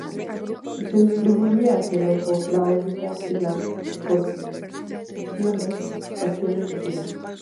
Se distribuye hacia el ojo, la órbita y las porciones faciales vecinas.